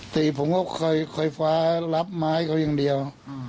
ตีผมก็คอยฝารับไม้เขายังเดียว